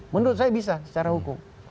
menurut saya bisa secara hukum